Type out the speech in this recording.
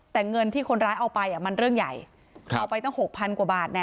แต่เงินที่คนร้ายเอาไปอ่ะมันเรื่องใหญ่ครับเอาไปตั้งหกพันกว่าบาทน่ะ